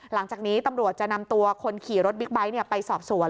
หลังจากนี้ตำรวจจะนำตัวคนขี่รถบิ๊กไบท์ไปสอบสวน